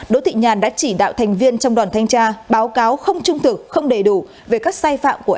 đỗ thị nhàn đã chỉ đạo thành viên trong đoàn thanh tra báo cáo không trung thực không đầy đủ về các sai phạm của